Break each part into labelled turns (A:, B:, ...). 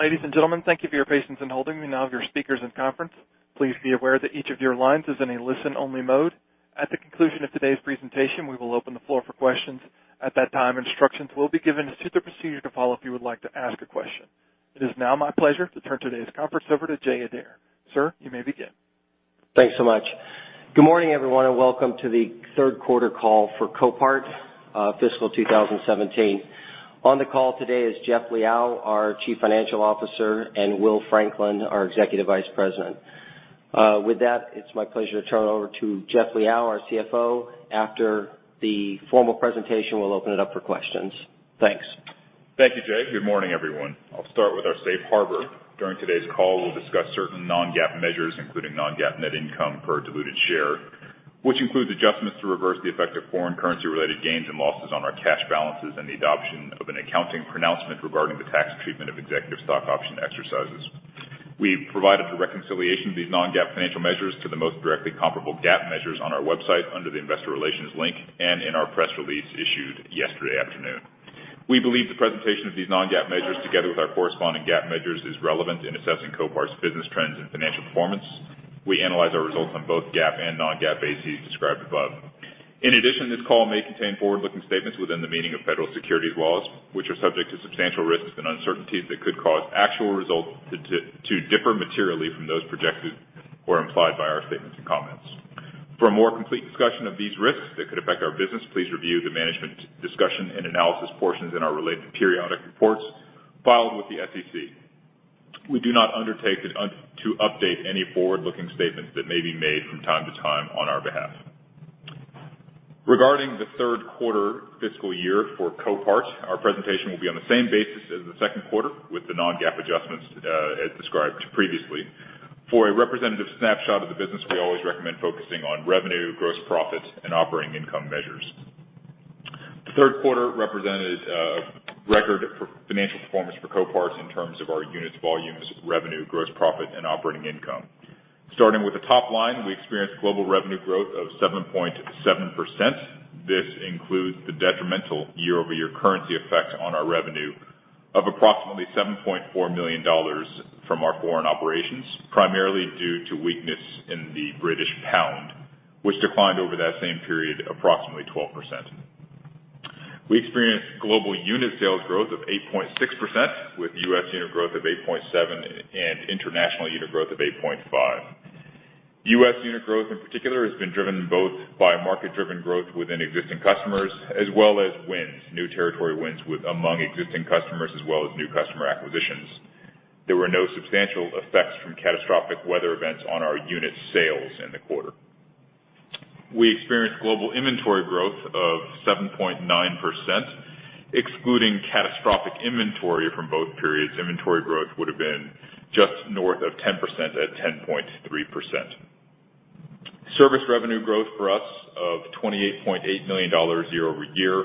A: Ladies and gentlemen, thank you for your patience in holding. We now have your speakers in conference. Please be aware that each of your lines is in a listen-only mode. At the conclusion of today's presentation, we will open the floor for questions. At that time, instructions will be given as to the procedure to follow if you would like to ask a question. It is now my pleasure to turn today's conference over to Jay Adair. Sir, you may begin.
B: Thanks so much. Good morning, everyone, welcome to the third quarter call for Copart, fiscal 2017. On the call today is Jeff Liaw, our Chief Financial Officer, Will Franklin, our Executive Vice President. With that, it's my pleasure to turn it over to Jeff Liaw, our CFO. After the formal presentation, we'll open it up for questions. Thanks.
C: Thank you, Jay. Good morning, everyone. I'll start with our safe harbor. During today's call, we'll discuss certain non-GAAP measures, including non-GAAP net income per diluted share, which includes adjustments to reverse the effect of foreign currency-related gains and losses on our cash balances and the adoption of an accounting pronouncement regarding the tax treatment of executive stock option exercises. We've provided the reconciliation of these non-GAAP financial measures to the most directly comparable GAAP measures on our website under the investor relations link and in our press release issued yesterday afternoon. We believe the presentation of these non-GAAP measures, together with our corresponding GAAP measures, is relevant in assessing Copart's business trends and financial performance. We analyze our results on both GAAP and non-GAAP bases described above. In addition, this call may contain forward-looking statements within the meaning of federal securities laws, which are subject to substantial risks and uncertainties that could cause actual results to differ materially from those projected or implied by our statements and comments. For a more complete discussion of these risks that could affect our business, please review the management discussion and analysis portions in our related periodic reports filed with the SEC. We do not undertake to update any forward-looking statements that may be made from time to time on our behalf. Regarding the third quarter fiscal year for Copart, our presentation will be on the same basis as the second quarter, with the non-GAAP adjustments as described previously. For a representative snapshot of the business, we always recommend focusing on revenue, gross profit, and operating income measures. The third quarter represented a record for financial performance for Copart in terms of our unit volumes, revenue, gross profit, and operating income. Starting with the top line, we experienced global revenue growth of 7.7%. This includes the detrimental year-over-year currency effect on our revenue of approximately $7.4 million from our foreign operations, primarily due to weakness in the British pound, which declined over that same period approximately 12%. We experienced global unit sales growth of 8.6%, with U.S. unit growth of 8.7% and international unit growth of 8.5%. U.S. unit growth, in particular, has been driven both by market-driven growth within existing customers as well as wins, new territory wins among existing customers as well as new customer acquisitions. There were no substantial effects from catastrophic weather events on our unit sales in the quarter. We experienced global inventory growth of 7.9%, excluding catastrophic inventory from both periods. Inventory growth would have been just north of 10% at 10.3%. Service revenue growth for us of $28.8 million year-over-year.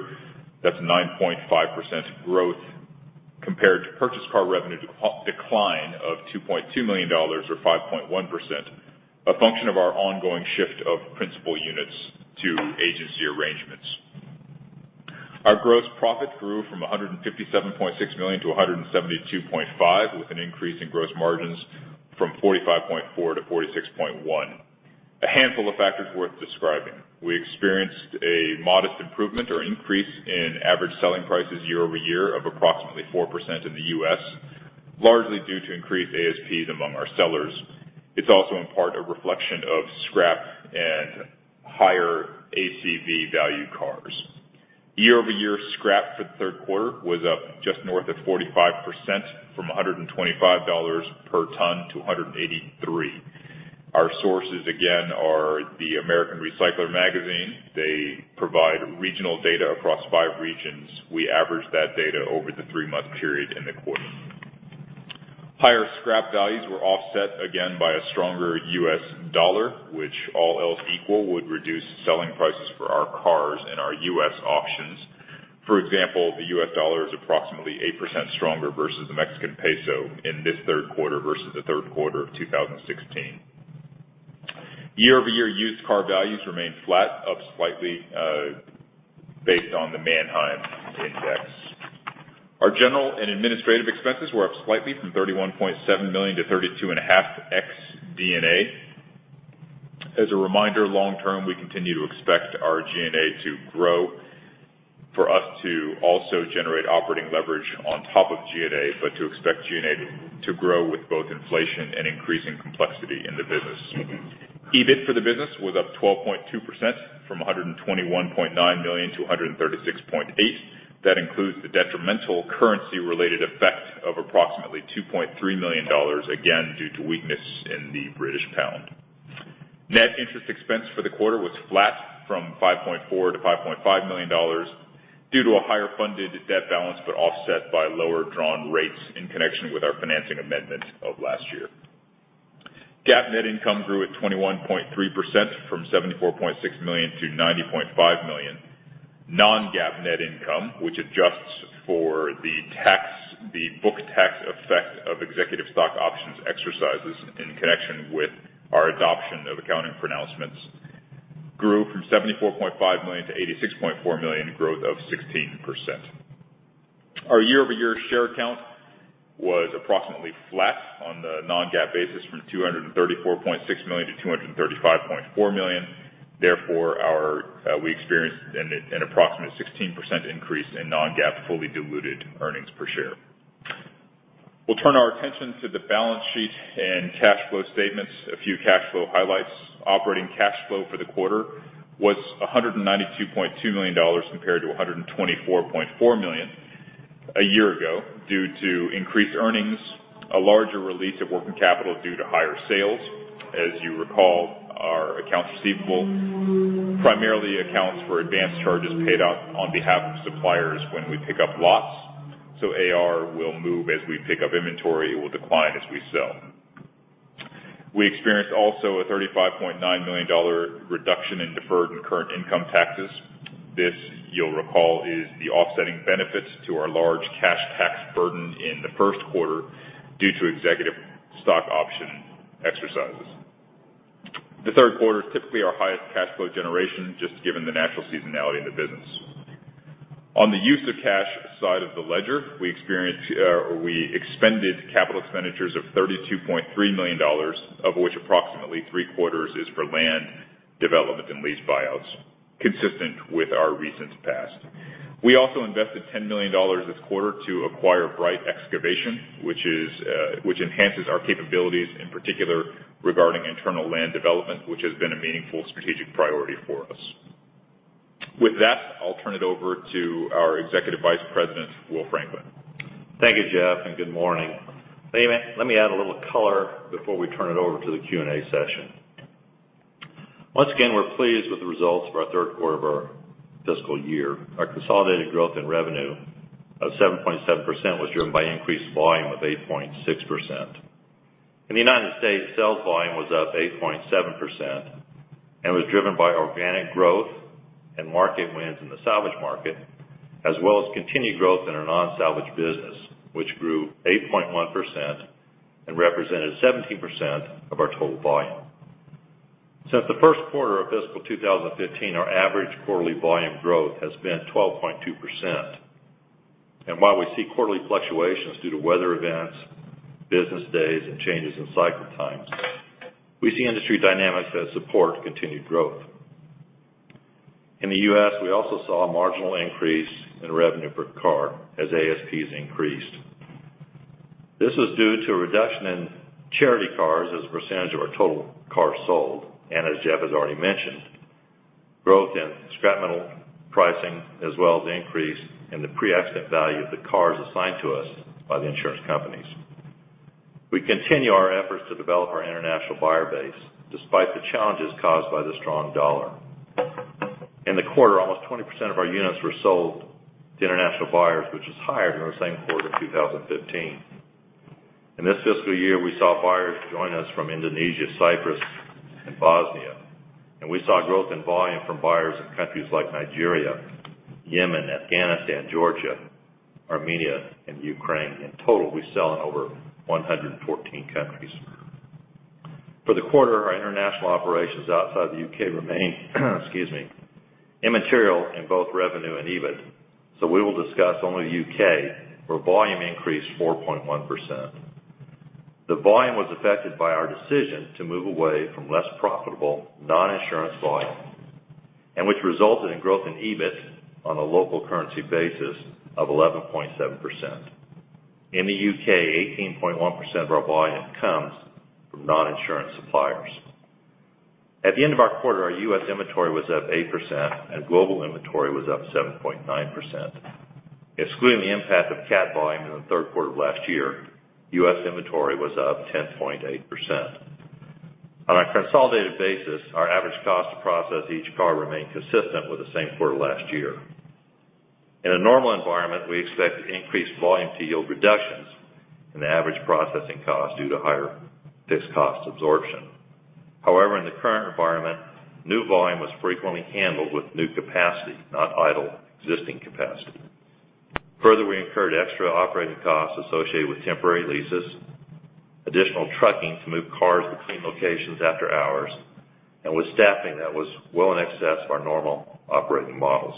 C: That's 9.5% growth compared to purchased car revenue decline of $2.2 million or 5.1%, a function of our ongoing shift of principal units to agency arrangements. Our gross profit grew from $157.6 million to $172.5 million, with an increase in gross margins from 45.4% to 46.1%. A handful of factors worth describing. We experienced a modest improvement or increase in average selling prices year-over-year of approximately 4% in the U.S., largely due to increased ASPs among our sellers. It's also in part a reflection of scrap and higher ACV value cars. Year-over-year scrap for the third quarter was up just north of 45%, from $125 per ton to $183 per ton. Our sources, again, are the American Recycler magazine. They provide regional data across five regions. We average that data over the three-month period in the quarter. Higher scrap values were offset again by a stronger U.S. dollar, which all else equal, would reduce selling prices for our cars and our U.S. auctions. For example, the U.S. dollar is approximately 8% stronger versus the Mexican peso in this third quarter versus the third quarter of 2016. Year-over-year used car values remain flat, up slightly, based on the Manheim index. Our general and administrative expenses were up slightly from $31.7 million to $32.5 million, ex D&A. As a reminder, long term, we continue to expect our G&A to grow, for us to also generate operating leverage on top of G&A, but to expect G&A to grow with both inflation and increasing complexity in the business. EBIT for the business was up 12.2%, from $121.9 million to $136.8 million. That includes the detrimental currency-related effect of approximately $2.3 million, again, due to weakness in the British pound. Net interest expense for the quarter was flat from $5.4 million to $5.5 million due to a higher funded debt balance, but offset by lower drawn rates in connection with our financing amendment of last year. GAAP net income grew at 21.3%, from $74.6 million to $90.5 million. Non-GAAP net income, which adjusts for the book tax effect of executive stock option exercises in connection with our adoption of accounting pronouncements, grew from $74.5 million to $86.4 million, a growth of 16%. Our year-over-year share count was approximately flat on the non-GAAP basis from 234.6 million to 235.4 million. Therefore, we experienced an approximate 16% increase in non-GAAP fully diluted earnings per share. We'll turn our attention to the balance sheet and cash flow statements. A few cash flow highlights. Operating cash flow for the quarter was $192.2 million compared to $124.4 million a year ago due to increased earnings, a larger release of working capital due to higher sales. As you recall, our accounts receivable primarily accounts for advanced charges paid out on behalf of suppliers when we pick up lots. AR will move as we pick up inventory. It will decline as we sell. We experienced also a $35.9 million reduction in deferred and current income taxes. This, you'll recall, is the offsetting benefits to our large cash tax burden in the first quarter due to executive stock option exercises. The third quarter is typically our highest cash flow generation, just given the natural seasonality of the business. On the use of cash side of the ledger, we expended capital expenditures of $32.3 million, of which approximately three-quarters is for land development and lease buyouts, consistent with our recent past. We also invested $10 million this quarter to acquire Bright Excavation, which enhances our capabilities, in particular regarding internal land development, which has been a meaningful strategic priority for us. With that, I'll turn it over to our Executive Vice President, Will Franklin.
D: Thank you, Jeff, and good morning. Let me add a little color before we turn it over to the Q&A session. Once again, we're pleased with the results of our third quarter of our fiscal year. Our consolidated growth in revenue of 7.7% was driven by increased volume of 8.6%. In the United States, sales volume was up 8.7% and was driven by organic growth and market wins in the salvage market, as well as continued growth in our non-salvage business, which grew 8.1% and represented 17% of our total volume. Since the first quarter of fiscal 2015, our average quarterly volume growth has been 12.2%. While we see quarterly fluctuations due to weather events, business days, and changes in cycle times, we see industry dynamics that support continued growth. In the U.S., we also saw a marginal increase in revenue per car as ASPs increased. This was due to a reduction in charity cars as a percentage of our total cars sold and, as Jeff has already mentioned, growth in scrap metal pricing as well as increase in the pre-accident value of the cars assigned to us by the insurance companies. We continue our efforts to develop our international buyer base, despite the challenges caused by the strong dollar. In the quarter, almost 20% of our units were sold to international buyers, which is higher than our same quarter in 2015. In this fiscal year, we saw buyers join us from Indonesia, Cyprus, and Bosnia, and we saw growth in volume from buyers in countries like Nigeria, Yemen, Afghanistan, Georgia, Armenia, and Ukraine. In total, we sell in over 114 countries. For the quarter, our international operations outside the U.K. remain, excuse me, immaterial in both revenue and EBIT. We will discuss only the U.K., where volume increased 4.1%. The volume was affected by our decision to move away from less profitable non-insurance volume, which resulted in growth in EBIT on a local currency basis of 11.7%. In the U.K., 18.1% of our volume comes from non-insurance suppliers. At the end of our quarter, our U.S. inventory was up 8% and global inventory was up 7.9%. Excluding the impact of CAT volume in the third quarter of last year, U.S. inventory was up 10.8%. On a consolidated basis, our average cost to process each car remained consistent with the same quarter last year. In a normal environment, we expect increased volume to yield reductions in the average processing cost due to higher fixed cost absorption. However, in the current environment, new volume was frequently handled with new capacity, not idle existing capacity. Further, we incurred extra operating costs associated with temporary leases, additional trucking to move cars between locations after hours, and with staffing that was well in excess of our normal operating models.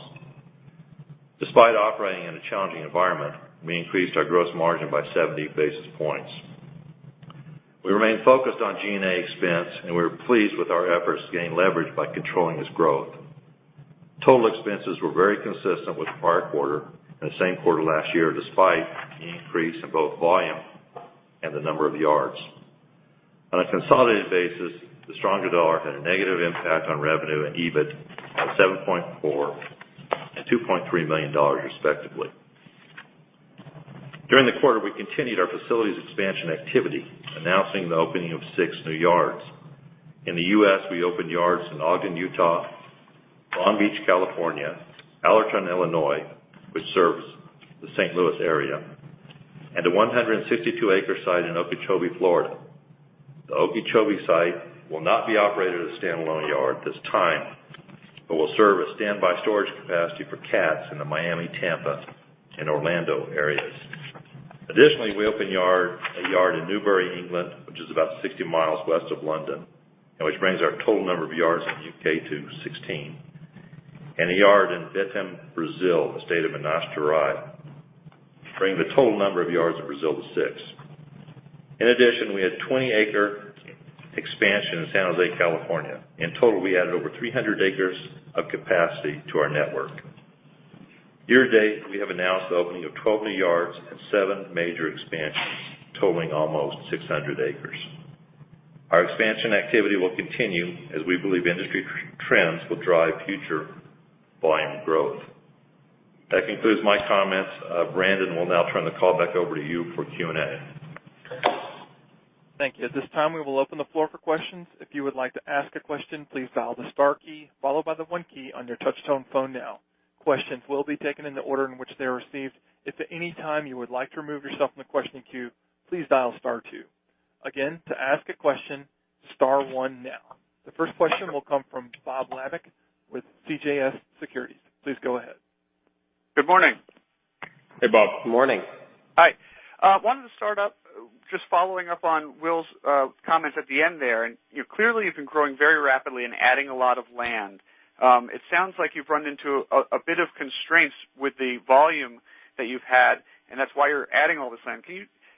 D: Despite operating in a challenging environment, we increased our gross margin by 70 basis points. We remain focused on G&A expense, and we're pleased with our efforts to gain leverage by controlling this growth. Total expenses were very consistent with the prior quarter and the same quarter last year, despite the increase in both volume and the number of yards. On a consolidated basis, the stronger dollar had a negative impact on revenue and EBIT of $7.4 million to $2.3 million, respectively. During the quarter, we continued our facilities expansion activity, announcing the opening of six new yards. In the U.S., we opened yards in Ogden, Utah, Long Beach, California, Allerton, Illinois, which serves the St. Louis area, and a 162-acre site in Okeechobee, Florida. The Okeechobee site will not be operated as a standalone yard at this time. Will serve as standby storage capacity for CATs in the Miami, Tampa, and Orlando areas. Additionally, we opened a yard in Newbury, England, which is about 60 miles west of London, which brings our total number of yards in the U.K. to 16. A yard in Betim, Brazil, the state of Minas Gerais, bringing the total number of yards in Brazil to six. In addition, we had a 20-acre expansion in San Jose, California. In total, we added over 300 acres of capacity to our network. Year-to-date, we have announced the opening of 12 new yards and seven major expansions, totaling almost 600 acres. Our expansion activity will continue as we believe industry trends will drive future volume growth. That concludes my comments. Brandon, we'll now turn the call back over to you for Q&A.
A: Thank you. At this time, we will open the floor for questions. If you would like to ask a question, please dial the star key, followed by the one key on your touch-tone phone now. Questions will be taken in the order in which they are received. If at any time you would like to remove yourself from the question queue, please dial star two. Again, to ask a question, star one now. The first question will come from Robert Labick with CJS Securities. Please go ahead.
E: Good morning.
D: Hey, Bob.
C: Morning.
E: Hi. Wanted to start up just following up on Will's comments at the end there. Clearly you've been growing very rapidly and adding a lot of land. It sounds like you've run into a bit of constraints with the volume that you've had, and that's why you're adding all this land.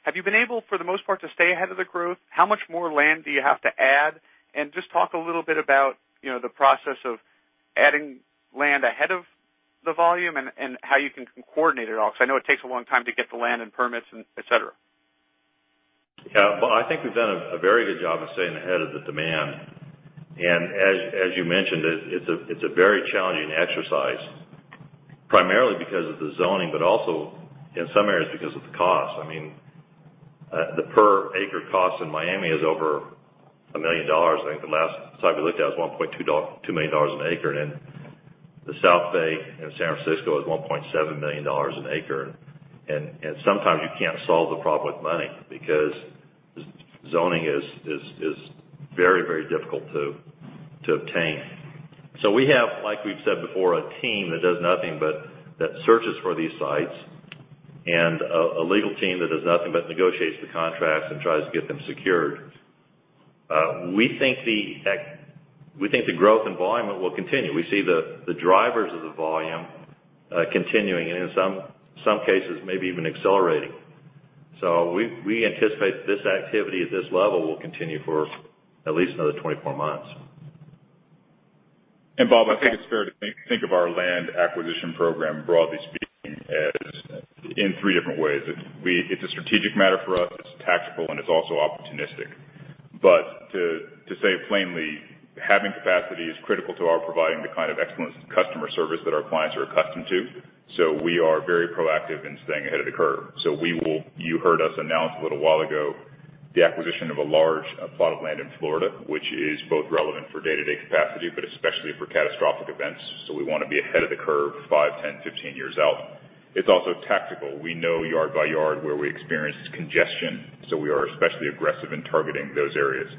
E: Have you been able, for the most part, to stay ahead of the growth? How much more land do you have to add? Just talk a little bit about the process of adding land ahead of the volume and how you can coordinate it all, because I know it takes a long time to get the land and permits, et cetera.
D: I think we've done a very good job of staying ahead of the demand. As you mentioned, it's a very challenging exercise, primarily because of the zoning, but also in some areas because of the cost. The per acre cost in Miami is over $1 million. I think the last site we looked at was $1.2 million an acre. In the South Bay in San Francisco, it was $1.7 million an acre. Sometimes you can't solve the problem with money because zoning is very difficult to obtain. We have, like we've said before, a team that does nothing but searches for these sites and a legal team that does nothing but negotiates the contracts and tries to get them secured. We think the growth in volume will continue. We see the drivers of the volume continuing, and in some cases, maybe even accelerating. We anticipate this activity at this level will continue for at least another 24 months.
C: Bob, I think it's fair to think of our land acquisition program, broadly speaking, in 3 different ways. It's a strategic matter for us, it's tactical, and it's also opportunistic. To say it plainly, having capacity is critical to our providing the kind of excellent customer service that our clients are accustomed to. We are very proactive in staying ahead of the curve. You heard us announce a little while ago the acquisition of a large plot of land in Florida, which is both relevant for day-to-day capacity, but especially for catastrophic events. We want to be ahead of the curve 5, 10, 15 years out. It's also tactical. We know yard by yard where we experience congestion, so we are especially aggressive in targeting those areas.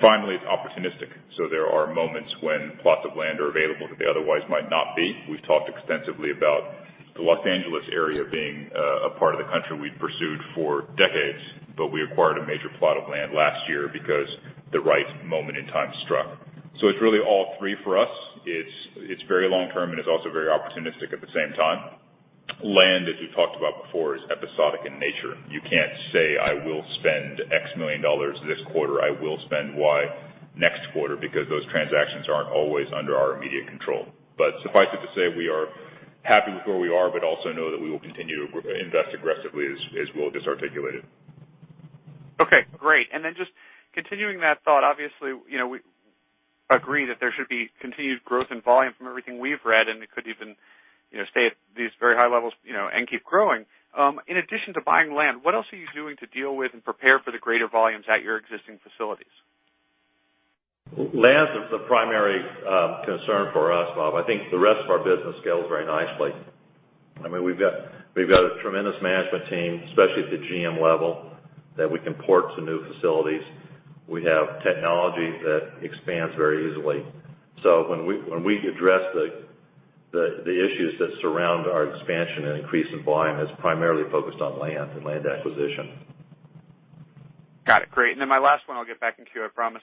C: Finally, it's opportunistic. There are moments when plots of land are available that they otherwise might not be. We've talked extensively about the Los Angeles area being a part of the country we've pursued for decades, but we acquired a major plot of land last year because the right moment in time struck. It's really all 3 for us. It's very long-term, and it's also very opportunistic at the same time. Land, as we've talked about before, is episodic in nature. You can't say, "I will spend X million dollars this quarter. I will spend Y next quarter," because those transactions aren't always under our immediate control. Suffice it to say, we are happy with where we are, but also know that we will continue to invest aggressively as Will just articulated.
E: Okay, great. Just continuing that thought, obviously, we agree that there should be continued growth in volume from everything we've read, and it could even stay at these very high levels and keep growing. In addition to buying land, what else are you doing to deal with and prepare for the greater volumes at your existing facilities?
D: Land is the primary concern for us, Bob. I think the rest of our business scales very nicely. We've got a tremendous management team, especially at the GM level, that we can port to new facilities. We have technology that expands very easily. When we address the issues that surround our expansion and increase in volume, it's primarily focused on land and land acquisition.
E: Got it. Great. My last one, I'll get back in queue, I promise.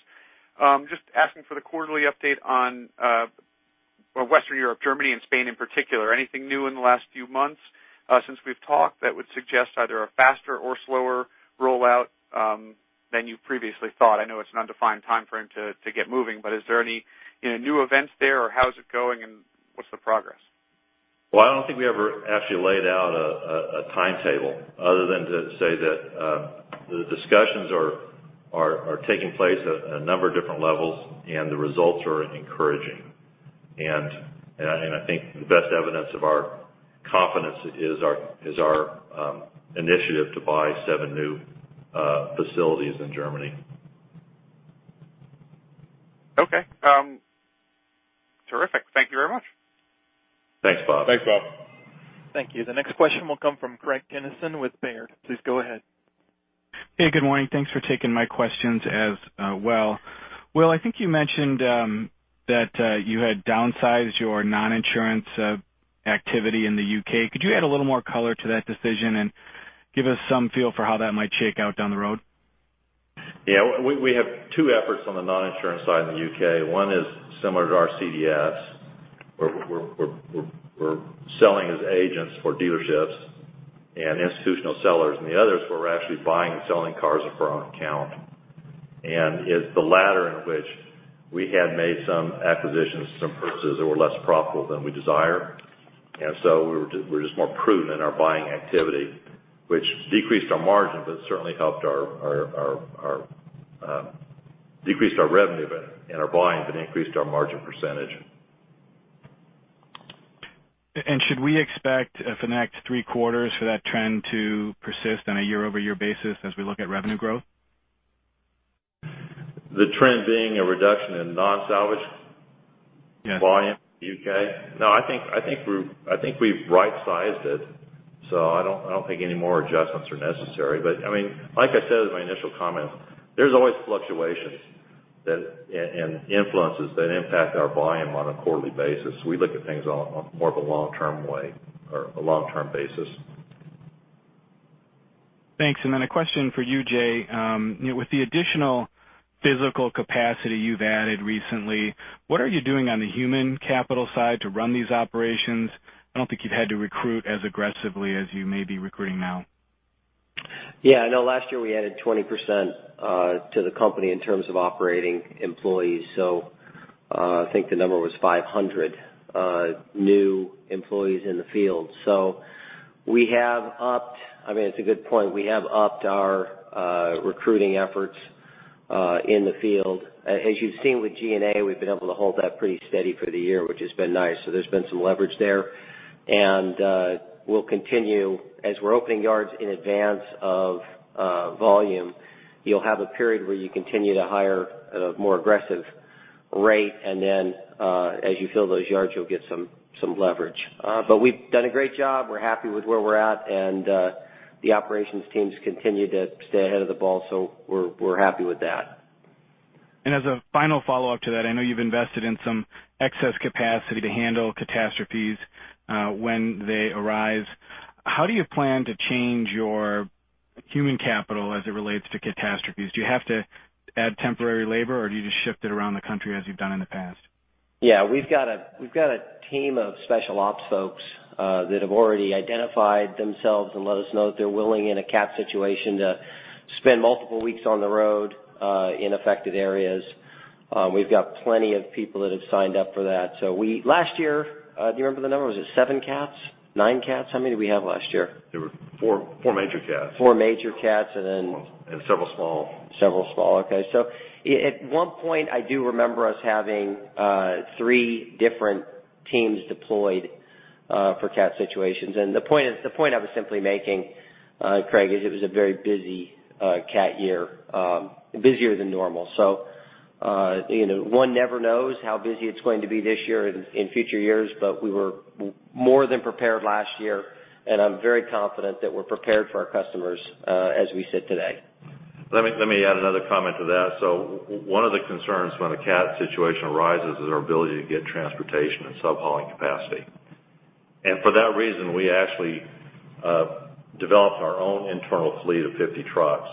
E: Just asking for the quarterly update on Western Europe, Germany, and Spain in particular. Anything new in the last few months since we've talked that would suggest either a faster or slower rollout than you previously thought? I know it's an undefined timeframe to get moving, but is there any new events there, or how is it going, and what's the progress?
D: Well, I don't think we ever actually laid out a timetable other than to say that the discussions are taking place at a number of different levels, and the results are encouraging. I think the best evidence of our confidence is our initiative to buy seven new facilities in Germany.
E: Okay. Terrific. Thank you very much.
D: Thanks, Bob.
B: Thanks, Bob.
A: Thank you. The next question will come from Craig Kennison with Baird. Please go ahead.
F: Hey, good morning. Thanks for taking my questions as well. Will, I think you mentioned that you had downsized your non-insurance activity in the U.K. Could you add a little more color to that decision and give us some feel for how that might shake out down the road?
D: Yeah. We have two efforts on the non-insurance side in the U.K. One is similar to our CDS, where we're selling as agents for dealerships and institutional sellers. The other is where we're actually buying and selling cars for our own account. It's the latter in which we had made some acquisitions, some purchases that were less profitable than we desire. So we're just more prudent in our buying activity, which decreased our margin but certainly decreased our revenue in our buying, but increased our margin percentage.
F: Should we expect for the next three quarters for that trend to persist on a year-over-year basis as we look at revenue growth?
D: The trend being a reduction in non-salvage
F: Yes
D: volume in the U.K.? No, I think we've right-sized it, so I don't think any more adjustments are necessary. Like I said as my initial comment, there's always fluctuations and influences that impact our volume on a quarterly basis. We look at things on more of a long-term way or a long-term basis.
F: Thanks. Then a question for you, Jay. With the additional physical capacity you've added recently, what are you doing on the human capital side to run these operations? I don't think you've had to recruit as aggressively as you may be recruiting now.
B: Yeah, I know last year we added 20% to the company in terms of operating employees. I think the number was 500 new employees in the field. We have upped our recruiting efforts in the field. As you've seen with G&A, we've been able to hold that pretty steady for the year, which has been nice. There's been some leverage there. We'll continue. As we're opening yards in advance of volume, you'll have a period where you continue to hire at a more aggressive rate, and then as you fill those yards, you'll get some leverage. We've done a great job. We're happy with where we're at, and the operations teams continue to stay ahead of the ball. We're happy with that.
F: As a final follow-up to that, I know you've invested in some excess capacity to handle catastrophes when they arise. How do you plan to change your human capital as it relates to catastrophes? Do you have to add temporary labor, or do you just shift it around the country as you've done in the past?
B: Yeah, we've got a team of special ops folks that have already identified themselves and let us know that they're willing in a CAT situation to spend multiple weeks on the road in affected areas. We've got plenty of people that have signed up for that. Last year, do you remember the number? Was it seven CATs? Nine CATs? How many did we have last year?
D: There were four major CATs.
B: Four major CATs.
D: several small
B: several small. Okay. At one point, I do remember us having three different teams deployed for CAT situations. The point I was simply making, Craig, is it was a very busy CAT year, busier than normal. One never knows how busy it's going to be this year and in future years, but we were more than prepared last year, and I'm very confident that we're prepared for our customers as we sit today.
D: Let me add another comment to that. One of the concerns when a CAT situation arises is our ability to get transportation and sub-hauling capacity. For that reason, we actually developed our own internal fleet of 50 trucks,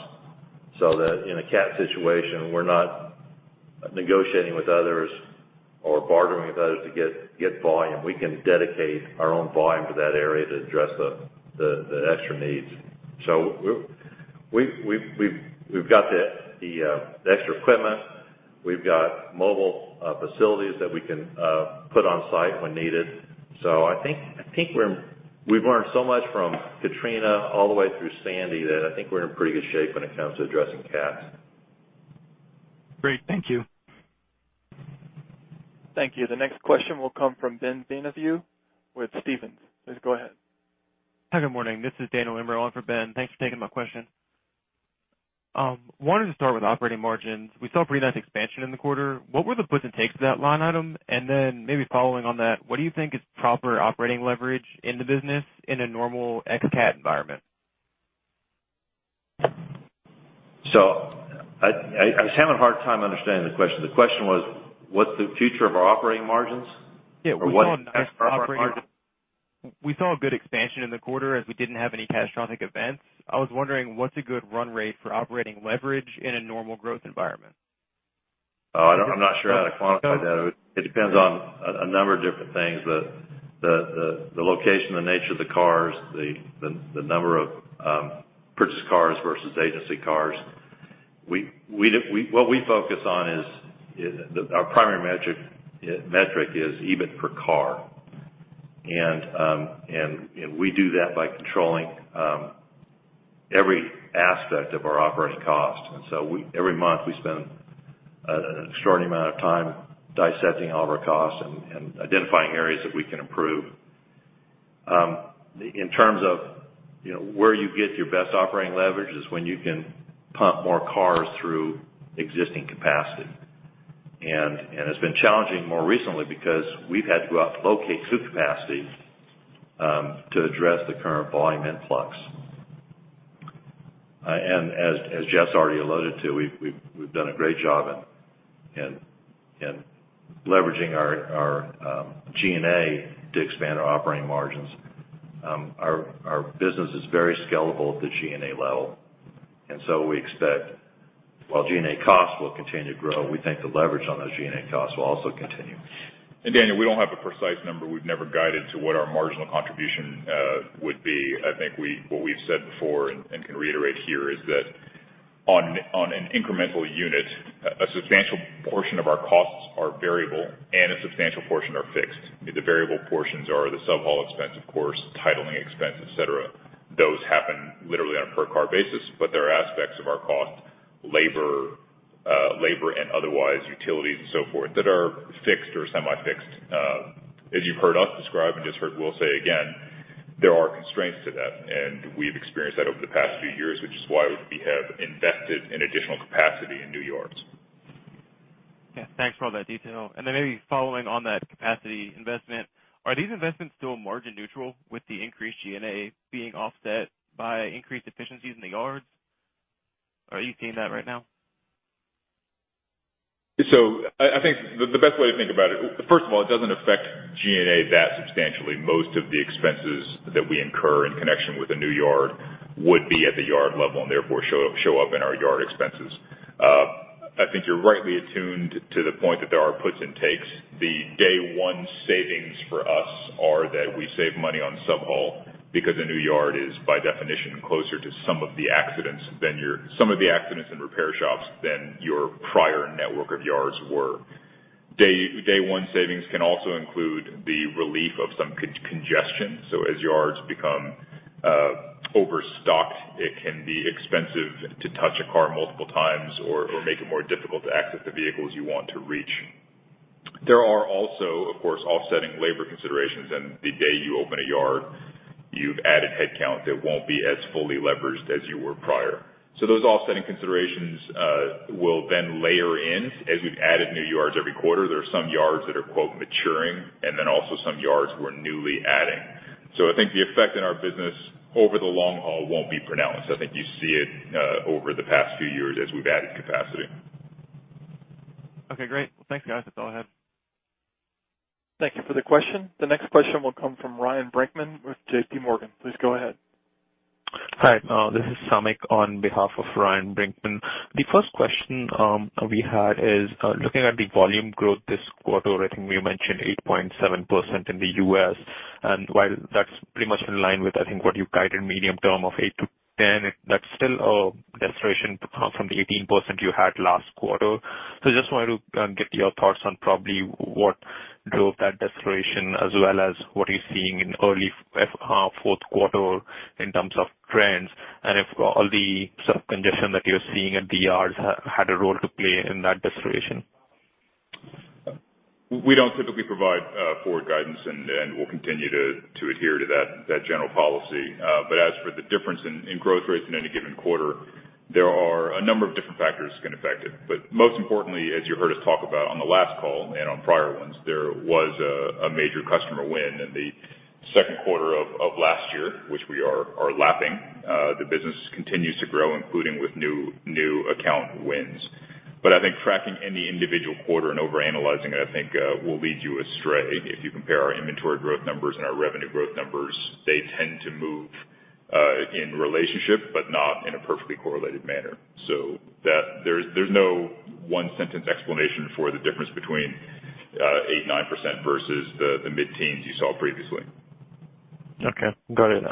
D: so that in a CAT situation, we're not negotiating with others or bartering with others to get volume. We can dedicate our own volume to that area to address the extra needs. We've got the extra equipment. We've got mobile facilities that we can put on site when needed. I think we've learned so much from Katrina all the way through Sandy that I think we're in pretty good shape when it comes to addressing CATs.
F: Great. Thank you.
A: Thank you. The next question will come from Ben Bienvenu with Stephens. Please go ahead.
G: Hi, good morning. I wanted to start with operating margins. We saw a pretty nice expansion in the quarter. What were the puts and takes of that line item? Then maybe following on that, what do you think is proper operating leverage in the business in a normal ex-CAT environment?
D: I was having a hard time understanding the question. The question was, what's the future of our operating margins?
G: Yeah.
D: What is-
G: We saw a good expansion in the quarter as we didn't have any catastrophic events. I was wondering, what's a good run rate for operating leverage in a normal growth environment?
D: Oh, I'm not sure how to quantify that. It depends on a number of different things. The location, the nature of the cars, the number of purchased cars versus agency cars. What we focus on is our primary metric is EBIT per car. We do that by controlling every aspect of our operating cost. Every month, we spend an extraordinary amount of time dissecting all of our costs and identifying areas that we can improve. In terms of where you get your best operating leverage is when you can pump more cars through existing capacity. It's been challenging more recently because we've had to go out and locate new capacity to address the current volume influx. As Jeff's already alluded to, we've done a great job in leveraging our G&A to expand our operating margins. Our business is very scalable at the G&A level. We expect while G&A costs will continue to grow, we think the leverage on those G&A costs will also continue.
C: Daniel, we don't have a precise number. We've never guided to what our marginal contribution would be. I think what we've said before, and can reiterate here, is that on an incremental unit, a substantial portion of our costs are variable and a substantial portion are fixed. The variable portions are the sub-haul expense, of course, titling expense, et cetera. Those happen literally on a per car basis, but there are aspects of our cost, labor and otherwise, utilities and so forth, that are fixed or semi-fixed. As you've heard us describe and just heard Will say again, there are constraints to that, and we've experienced that over the past few years, which is why we have invested in additional capacity in new yards.
G: Yeah. Thanks for all that detail. Maybe following on that capacity investment, are these investments still margin neutral with the increased G&A being offset by increased efficiencies in the yards? Are you seeing that right now?
C: I think the best way to think about it, first of all, it doesn't affect G&A that substantially. Most of the expenses that we incur in connection with a new yard would be at the yard level and therefore show up in our yard expenses. I think you're rightly attuned to the point that there are puts and takes. The day one savings for us are that we save money on sub-haul because a new yard is, by definition, closer to some of the accidents and repair shops than your prior network of yards were. Day one savings can also include the relief of some congestion. As yards become overstocked, it can be expensive to touch a car multiple times or make it more difficult to access the vehicles you want to reach. There are also, of course, offsetting labor considerations. The day you open a yard, you've added headcount that won't be as fully leveraged as you were prior. Those offsetting considerations will then layer in as we've added new yards every quarter. There are some yards that are, quote, "maturing," and then also some yards we're newly adding. I think the effect in our business over the long haul won't be pronounced. I think you see it over the past few years as we've added capacity.
G: Okay, great. Thanks, guys. That's all I had.
A: Thank you for the question. The next question will come from Ryan Brinkman with J.P. Morgan. Please go ahead.
H: Hi. This is Samik on behalf of Ryan Brinkman. The first question we had is looking at the volume growth this quarter. I think we mentioned 8.7% in the U.S. While that's pretty much in line with, I think, what you guided medium term of 8%-10%, that's still a deceleration from the 18% you had last quarter. Just wanted to get your thoughts on probably what drove that deceleration, as well as what you're seeing in early fourth quarter in terms of trends, and if all the sort of congestion that you're seeing at the yards had a role to play in that deceleration.
C: We don't typically provide forward guidance. We'll continue to adhere to that general policy. As for the difference in growth rates in any given quarter, there are a number of different factors that can affect it. Most importantly, as you heard us talk about on the last call and on prior ones, there was a major customer win in the second quarter of last year, which we are lapping. The business continues to grow, including with new account wins. I think tracking any individual quarter and overanalyzing it, I think, will lead you astray. If you compare our inventory growth numbers and our revenue growth numbers, they tend to move in relationship, but not in a perfectly correlated manner. There's no one-sentence explanation for the difference between 8%, 9% versus the mid-teens you saw previously.
H: Okay, got it.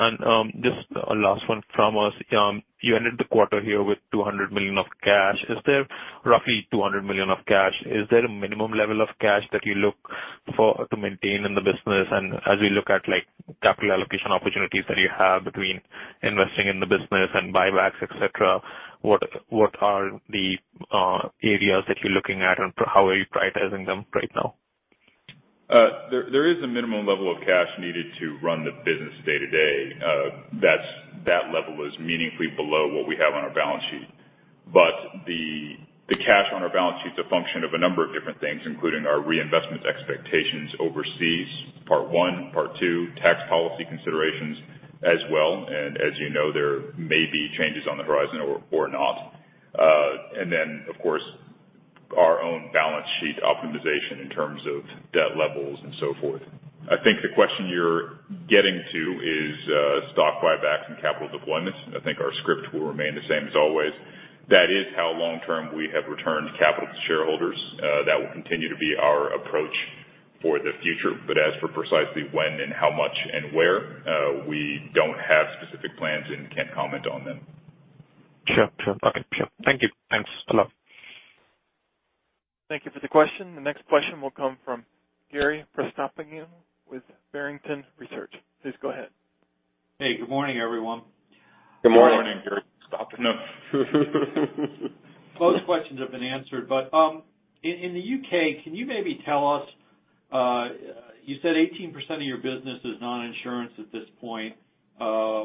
H: Just a last one from us. You ended the quarter here with $200 million of cash. Is there roughly $200 million of cash? Is there a minimum level of cash that you look for to maintain in the business? As we look at capital allocation opportunities that you have between investing in the business and buybacks, et cetera, what are the areas that you're looking at and how are you prioritizing them right now?
C: There is a minimum level of cash needed to run the business day-to-day. That level is meaningfully below what we have on our balance sheet. The cash on our balance sheet is a function of a number of different things, including our reinvestment expectations overseas, part one. Part two, tax policy considerations as well. As you know, there may be changes on the horizon or not. Then, of course, our own balance sheet optimization in terms of debt levels and so forth. I think the question you're getting to is stock buybacks and capital deployments. I think our script will remain the same as always. That is how long-term we have returned capital to shareholders. That will continue to be our approach for the future. As for precisely when and how much and where, we don't have specific plans and can't comment on them.
H: Sure. Okay. Sure. Thank you. Thanks a lot.
A: Thank you for the question. The next question will come from Gary Prestopino with Barrington Research. Please go ahead.
I: Hey, good morning, everyone.
D: Good morning.
C: Good morning, Gary.
I: Most questions have been answered. In the U.K., can you maybe tell us, you said 18% of your business is non-insurance at this point,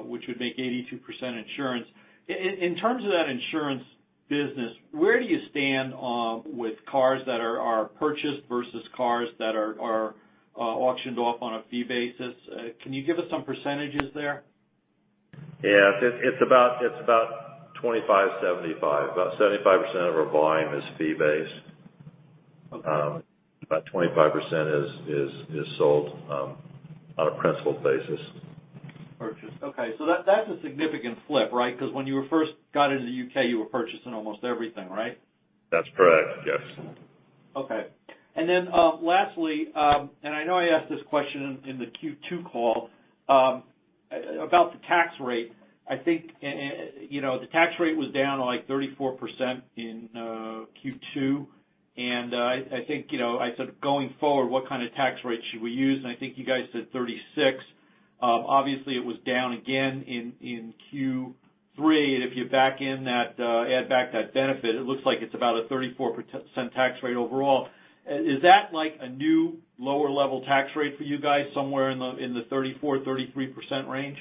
I: which would make 82% insurance. In terms of that insurance business, where do you stand with cars that are purchased versus cars that are auctioned off on a fee basis? Can you give us some percentages there?
D: Yes. It's about 25/75. About 75% of our volume is fee-based.
I: Okay.
D: About 25% is sold on a principal basis.
I: Purchased. Okay. That's a significant flip, right? Because when you first got into the U.K., you were purchasing almost everything, right?
D: That's correct. Yes.
I: Okay. Lastly, I know I asked this question in the Q2 call about the tax rate. I think the tax rate was down to like 34% in Q2, I said, "Going forward, what kind of tax rate should we use?" I think you guys said 36%. Obviously, it was down again in Q3. If you add back that benefit, it looks like it's about a 34% tax rate overall. Is that like a new lower level tax rate for you guys somewhere in the 34%, 33% range?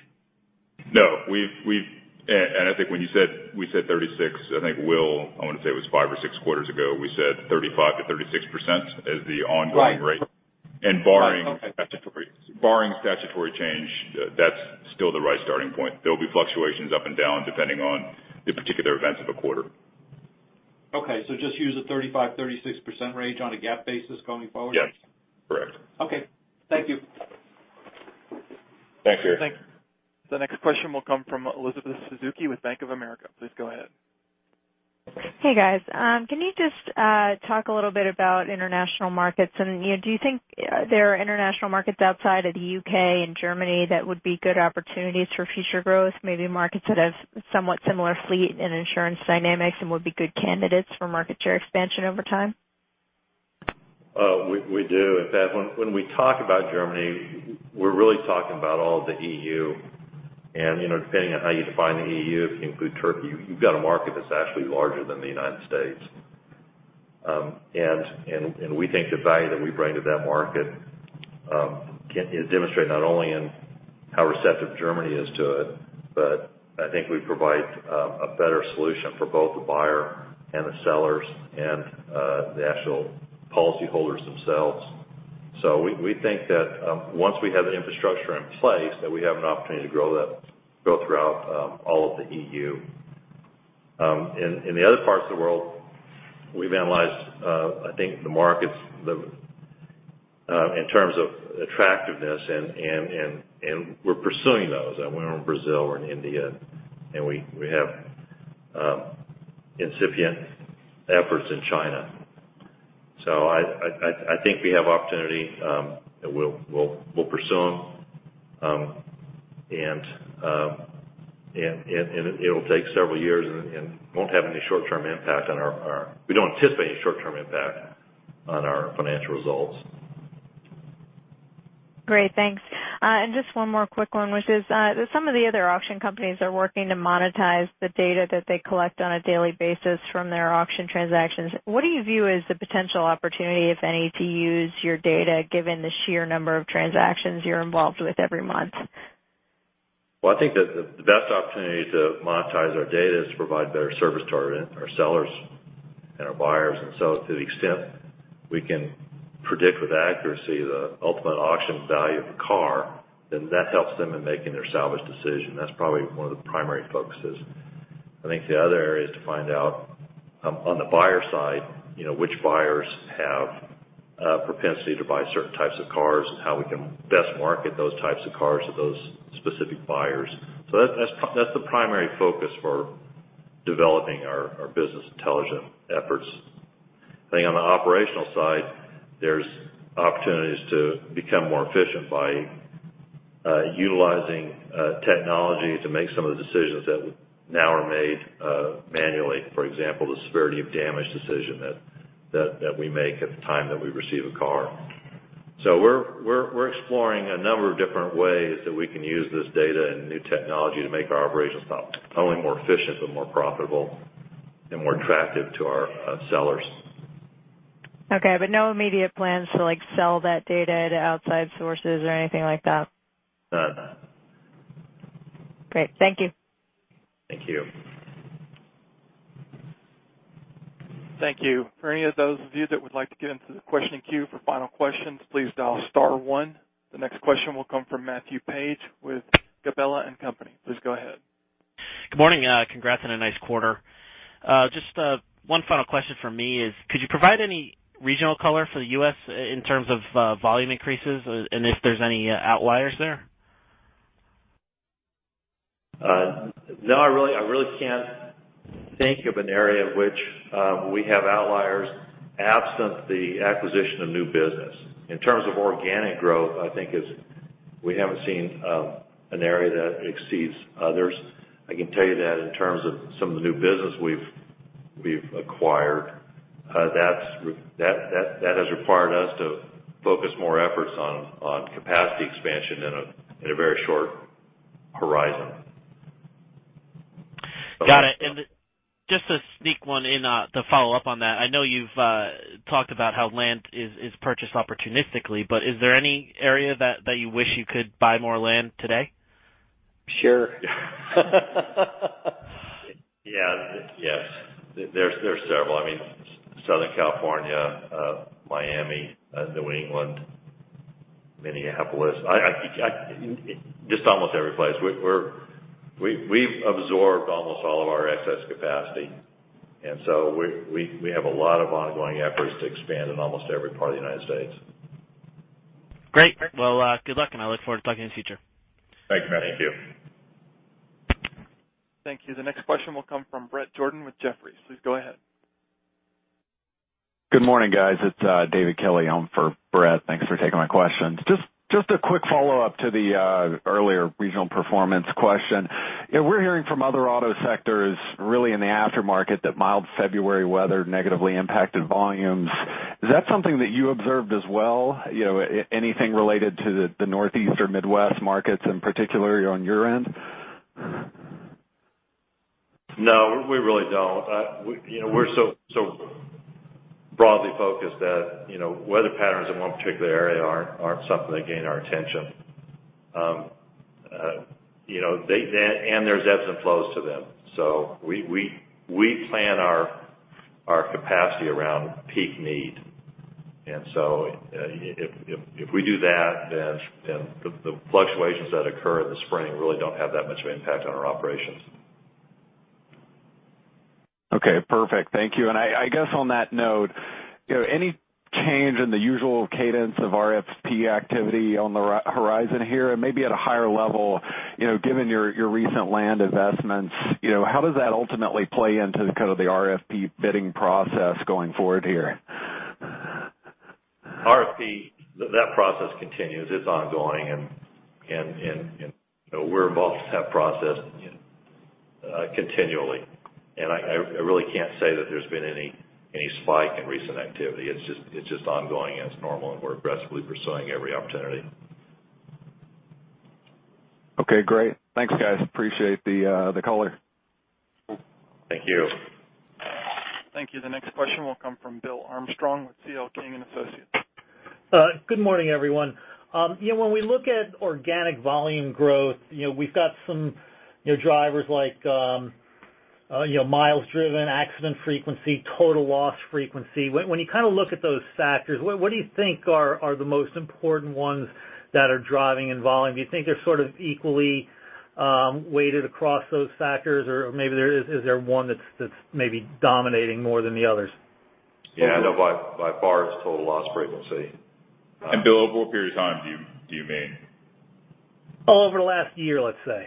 C: No. I think when we said 36%, I think Will, I want to say it was five or six quarters ago, we said 35%-36% as the ongoing rate.
I: Right. Okay.
C: Barring statutory change, that's still the right starting point. There'll be fluctuations up and down depending on the particular events of a quarter.
I: Okay. Just use a 35%-36% range on a GAAP basis going forward?
C: Yes, correct.
I: Okay, thank you.
D: Thanks, Gary.
C: Thanks.
A: The next question will come from Elizabeth Suzuki with Bank of America. Please go ahead.
J: Hey, guys. Can you just talk a little bit about international markets, and do you think there are international markets outside of the U.K. and Germany that would be good opportunities for future growth, maybe markets that have somewhat similar fleet and insurance dynamics and would be good candidates for market share expansion over time?
D: We do. In fact, when we talk about Germany, we're really talking about all of the EU. Depending on how you define the EU, if you include Turkey, you've got a market that's actually larger than the U.S. We think the value that we bring to that market is demonstrated not only in how receptive Germany is to it, but I think we provide a better solution for both the buyer and the sellers and the actual policyholders themselves. We think that once we have the infrastructure in place, that we have an opportunity to grow throughout all of the EU. In the other parts of the world, we've analyzed I think the markets in terms of attractiveness, and we're pursuing those, in Brazil or in India, and we have incipient efforts in China. I think we have opportunity, and we'll pursue them. It'll take several years, and we don't anticipate any short-term impact on our financial results.
J: Great, thanks. Just one more quick one, which is that some of the other auction companies are working to monetize the data that they collect on a daily basis from their auction transactions. What do you view as the potential opportunity, if any, to use your data given the sheer number of transactions you're involved with every month?
D: Well, I think that the best opportunity to monetize our data is to provide better service to our sellers and our buyers. To the extent we can predict with accuracy the ultimate auction value of a car, then that helps them in making their salvage decision. That's probably one of the primary focuses. I think the other area is to find out, on the buyer side, which buyers have a propensity to buy certain types of cars and how we can best market those types of cars to those specific buyers. That's the primary focus for developing our business intelligent efforts. I think on the operational side, there's opportunities to become more efficient by utilizing technology to make some of the decisions that now are made manually. For example, the severity of damage decision that we make at the time that we receive a car. We're exploring a number of different ways that we can use this data and new technology to make our operations not only more efficient, but more profitable and more attractive to our sellers.
J: No immediate plans to sell that data to outside sources or anything like that?
D: No.
J: Great. Thank you.
D: Thank you.
A: Thank you. For any of those of you that would like to get into the questioning queue for final questions, please dial star one. The next question will come from Matthew [Page] with Gabelli & Company. Please go ahead.
K: Good morning. Congrats on a nice quarter. Just one final question from me is, could you provide any regional color for the U.S. in terms of volume increases, and if there's any outliers there?
D: No, I really can't think of an area in which we have outliers absent the acquisition of new business. In terms of organic growth, I think we haven't seen an area that exceeds others. I can tell you that in terms of some of the new business we've acquired. That has required us to focus more efforts on capacity expansion in a very short horizon.
K: Got it. Just to sneak one in to follow up on that, I know you've talked about how land is purchased opportunistically, but is there any area that you wish you could buy more land today?
C: Sure.
D: Yeah. Yes. There's several. Southern California, Miami, New England, Minneapolis. Just almost every place. We've absorbed almost all of our excess capacity, and so we have a lot of ongoing efforts to expand in almost every part of the United States.
K: Great. Well, good luck, and I look forward to talking in the future.
D: Thanks, Matthew.
C: Thank you.
A: Thank you. The next question will come from Bret Jordan with Jefferies. Please go ahead.
L: Good morning, guys. It's David Kelly on for Bret. Thanks for taking my questions. Just a quick follow-up to the earlier regional performance question. We're hearing from other auto sectors, really in the aftermarket, that mild February weather negatively impacted volumes. Is that something that you observed as well? Anything related to the Northeast or Midwest markets in particular on your end?
D: No, we really don't. We're so broadly focused that weather patterns in one particular area aren't something that gain our attention. There's ebbs and flows to them. We plan our capacity around peak need. If we do that, then the fluctuations that occur in the spring really don't have that much of an impact on our operations.
L: Okay, perfect. Thank you. I guess on that note, any change in the usual cadence of RFP activity on the horizon here? Maybe at a higher level, given your recent land investments, how does that ultimately play into the kind of the RFP bidding process going forward here?
D: RFP, that process continues. It's ongoing, and we're involved in that process continually. I really can't say that there's been any spike in recent activity. It's just ongoing, and it's normal, and we're aggressively pursuing every opportunity.
L: Okay, great. Thanks, guys. Appreciate the call here.
D: Thank you.
A: Thank you. The next question will come from Bill Armstrong with CL King & Associates.
M: Good morning, everyone. When we look at organic volume growth, we've got some drivers like miles driven, accident frequency, total loss frequency. When you kind of look at those factors, what do you think are the most important ones that are driving in volume? Do you think they're sort of equally weighted across those factors? Maybe is there one that's maybe dominating more than the others?
D: Yeah, by far it's total loss frequency.
C: Bill, over what period of time do you mean?
M: Over the last year, let's say,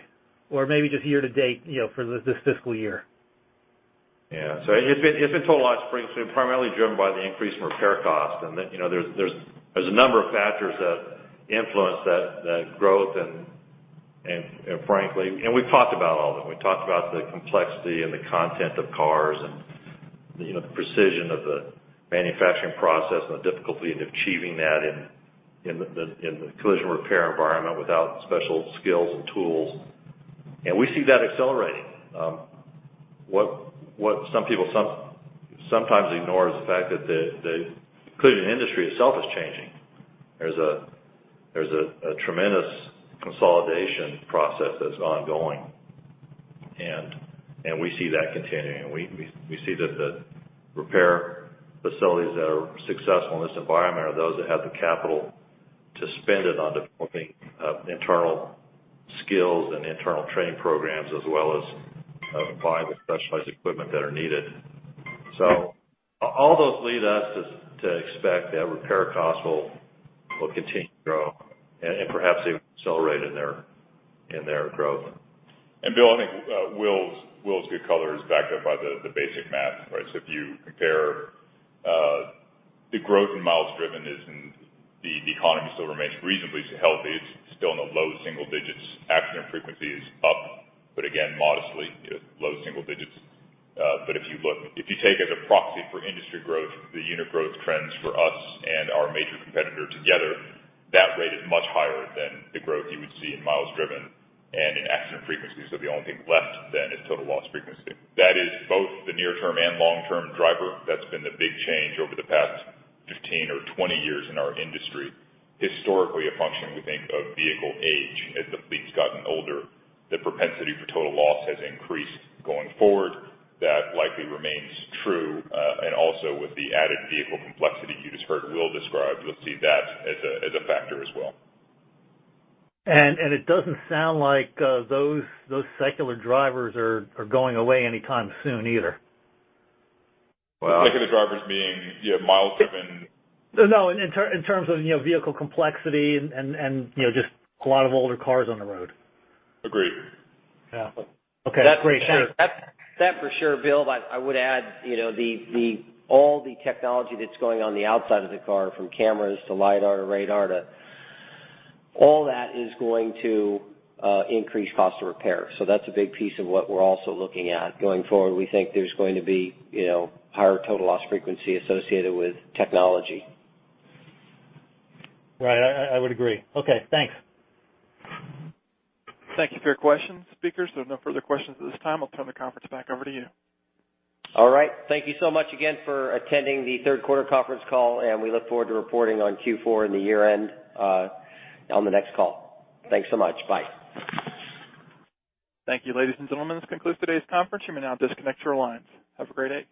M: or maybe just year to date for this fiscal year.
D: Yeah. It's been total loss frequency, primarily driven by the increase in repair cost. There's a number of factors that influence that growth, and we've talked about all of them. We've talked about the complexity and the content of cars and the precision of the manufacturing process and the difficulty in achieving that in the collision repair environment without special skills and tools. We see that accelerating. What some people sometimes ignore is the fact that the collision industry itself is changing. There's a tremendous consolidation process that's ongoing, and we see that continuing. We see that the repair facilities that are successful in this environment are those that have the capital to spend it on developing internal skills and internal training programs, as well as buying the specialized equipment that are needed. All those lead us to expect that repair costs will continue to grow and perhaps even accelerate in their growth.
C: Bill, I think Will's good color is backed up by the basic math, right? If you compare the growth in miles driven, the economy still remains reasonably healthy. It's still in the low single digits. Accident frequency is up, but again, modestly low single digits. If you take as a proxy for industry growth, the unit growth trends for us and our major competitor together, that rate is much higher than the growth you would see in miles driven and in accident frequency. The only thing left then is total loss frequency. That is both the near-term and long-term driver. That's been the big change over the past 15 or 20 years in our industry. Historically, a function we think of vehicle age. As the fleet's gotten older, the propensity for total loss has increased going forward. That likely remains true. Also with the added vehicle complexity you just heard Will describe, you'll see that as a factor as well.
M: It doesn't sound like those secular drivers are going away anytime soon either.
C: Well-
D: Speaking of drivers meaning miles driven?
M: No, in terms of vehicle complexity and just a lot of older cars on the road.
C: Agreed.
M: Yeah. Okay, great. Sure.
C: That for sure, Bill. I would add all the technology that's going on the outside of the car, from cameras to LIDAR to radar. All that is going to increase cost of repair. That's a big piece of what we're also looking at. Going forward, we think there's going to be higher total loss frequency associated with technology.
M: Right. I would agree. Okay, thanks.
A: Thank you for your questions, speakers. There are no further questions at this time. I'll turn the conference back over to you.
C: All right. Thank you so much again for attending the third quarter conference call, and we look forward to reporting on Q4 and the year-end on the next call. Thanks so much. Bye.
A: Thank you, ladies and gentlemen. This concludes today's conference. You may now disconnect your lines. Have a great day.